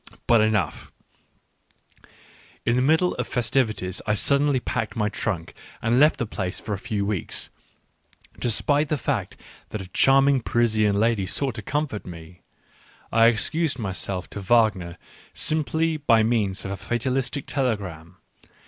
... But enough ! In the middle of the festivities I suddenly packed my trunk and left the place for a few weeks, despite the fact that a charm ing Parisian lady sought to comfort me ; I excused myself to Wagner simply by means of a fatalistic telegram.